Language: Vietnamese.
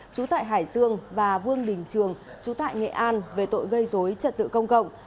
trú tại hải dương và vương đình trường chú tại nghệ an về tội gây dối trật tự công cộng